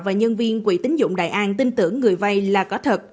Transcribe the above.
và nhân viên quỹ tính dụng đại an tin tưởng người vay là có thật